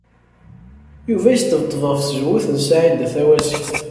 Yuba yesṭebṭeb ɣef tzewwut n Saɛida Tawasift.